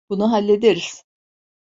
Bunu hallederiz.